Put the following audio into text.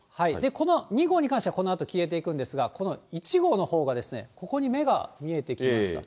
この２号に関しては、このあと消えていくんですが、この１号のほうがここに目が見えてきました。